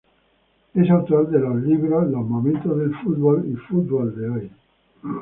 Es autor de los libros "Los Momentos del Fútbol" y "Fútbol de Hoy".